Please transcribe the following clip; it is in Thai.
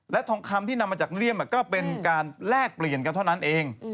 ทองคำที่นำมาจากเลี่ยมก็เป็นการแลกเปลี่ยนกันเท่านั้นเอง